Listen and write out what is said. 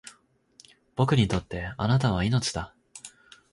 僕にとって貴方は命だ